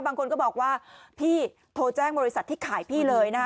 บางคนก็บอกว่าพี่โทรแจ้งบริษัทที่ขายพี่เลยนะฮะ